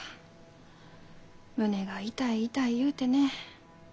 胸が痛い痛い言うてね。